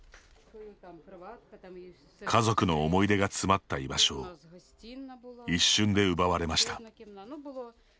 家族の思い出が詰まった居場所を一瞬で奪われました。